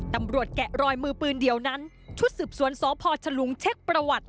ตำรวจแกะรอยมือปืนเดียวนั้นชุดสืบสวนสอพอร์ชลุงเช็กประวัติ